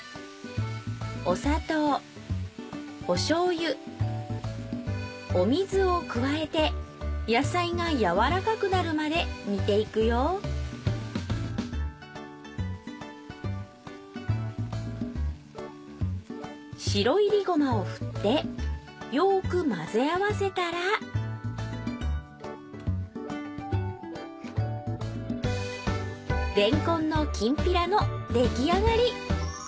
お砂糖お醤油お水を加えて野菜がやわらかくなるまで煮ていくよ白いりごまを振ってよく混ぜ合わせたられんこんのきんぴらの出来上がり。